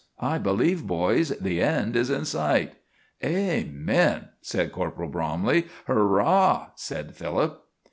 I believe, boys, the end is in sight." "Amen!" said Corporal Bromley. "Hurrah!" cried Philip.